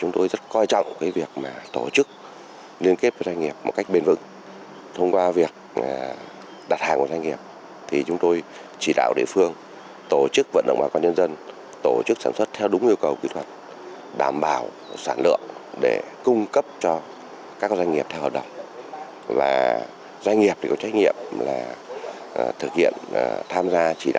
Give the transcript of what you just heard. doanh nghiệp có trách nhiệm thực hiện tham gia chỉ đạo sản xuất cung ứng giống